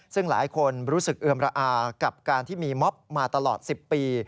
ซึ่งหลายคนรู้สึกเอือมระอากับการที่มีม็อบมาตลอด๑๐ปี